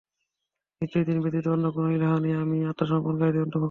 নিশ্চয়ই তিনি ব্যতীত অন্য কোন ইলাহ নেই এবং আমি আত্মসমর্পণকারীদের অন্তর্ভুক্ত।